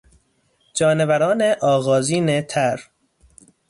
جانوران آغازین تر